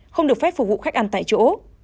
không được phép phục vụ khách ăn tại chỗ